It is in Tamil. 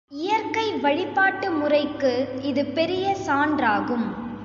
இயற்கை வழிபாட்டு முறைக்கு இது பெரிய சான்றாகும்.